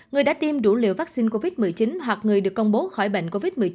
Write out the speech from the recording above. người đã tiêm đủ liều vaccine covid một mươi chín hoặc người được công bố khỏi bệnh covid một mươi chín